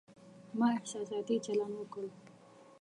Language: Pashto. ما احساساتي چلند وکړ